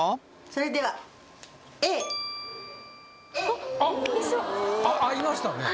それではＡ合いましたね